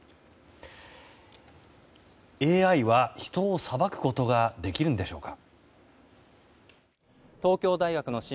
ＡＩは人を裁くことができるんでしょうか。